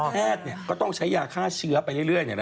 แพทย์ก็ต้องใช้ยาฆ่าเชื้อไปเรื่อย